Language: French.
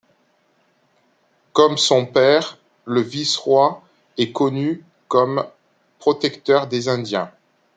Comme son père, le Vice-roi est connu comme protecteur des indiens.